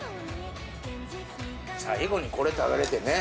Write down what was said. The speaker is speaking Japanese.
最後にこれ食べれてね。